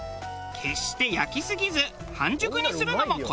決して焼きすぎず半熟にするのもこだわり。